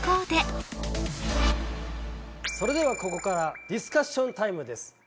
それではここからディスカッションタイムです。